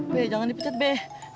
be jangan dipecat be